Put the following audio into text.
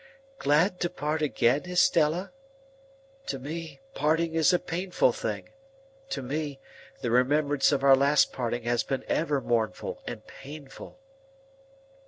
"Glad to part again, Estella? To me, parting is a painful thing. To me, the remembrance of our last parting has been ever mournful and painful."